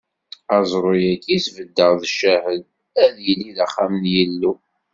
Aẓru-agi i sbeddeɣ d ccahed, ad yili d axxam n Yillu.